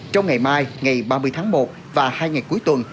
trong ngày mai ngày ba mươi tháng một và hai ngày cuối tuần